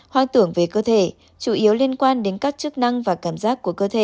hoang tưởng về cơ thể chủ yếu liên quan đến các chức năng và cảm giác của cơ thể